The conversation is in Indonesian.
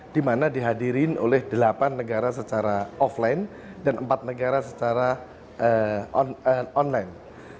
di mana dihadirin oleh delapan negara secara offline dan empat negara secara online